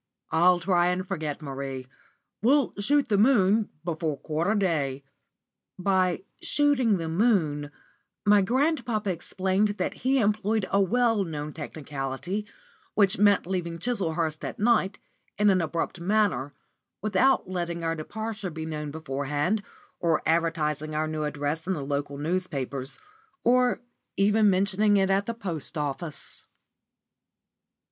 I'll try and forget Marie. We'll 'shoot the moon' before quarter day." By "shooting the moon," my grandpapa explained that he employed a well known technicality which meant leaving Chislehurst at night, in an abrupt manner, without letting our departure be known beforehand or advertising our new address in the local newspapers, or even mentioning it at the post office.